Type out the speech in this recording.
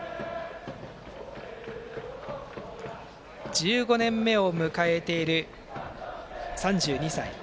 １５年目を迎えている３２歳。